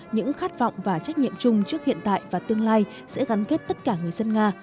những khát vọng và trách nhiệm chung trước hiện tại và tương lai sẽ gắn kết tất cả người dân nga